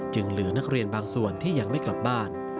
เหลือนักเรียนบางส่วนที่ยังไม่กลับบ้าน